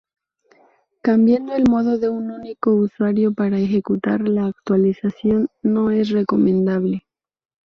Cambiando al modo de un único usuario para ejecutar la actualización no es recomendable.